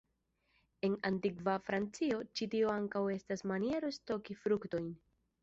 En antikva Francio, ĉi tio ankaŭ estis maniero stoki fruktojn.